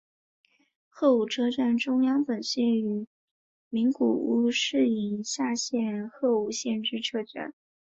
鹤舞车站中央本线与名古屋市营地下铁鹤舞线之车站。